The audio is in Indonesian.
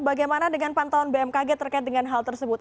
bagaimana dengan pantauan bmkg terkait dengan hal tersebut